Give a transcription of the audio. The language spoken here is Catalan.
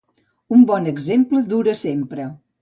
Un bon exemple dura sempre.